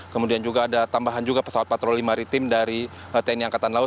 kemudian juga ada tambahan juga pesawat patroli maritim dari tni angkatan laut